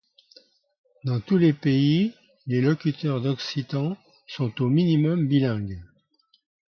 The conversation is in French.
Dans tous les pays les locuteurs d'occitan sont au minimum bilingues.